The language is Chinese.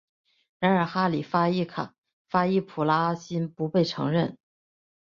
然而哈里发易卜拉欣不被承认。